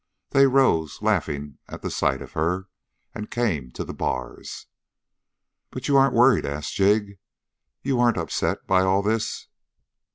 They rose, laughing at the sight of her, and came to the bars. "But you aren't worried?" asked Jig. "You aren't upset by all this?"